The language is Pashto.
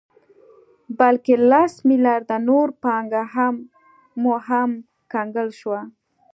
بلکې لس مليارده نوره پانګه مو هم کنګل شوه